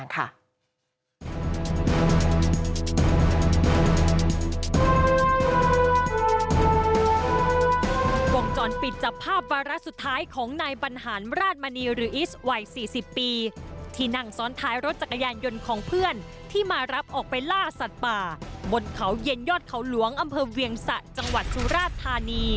ติดตามเรื่องนี้จากรายงานค่ะ